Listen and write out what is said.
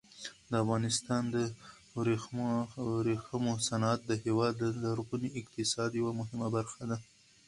د افغانستان د ورېښمو صنعت د هېواد د لرغوني اقتصاد یوه مهمه برخه وه.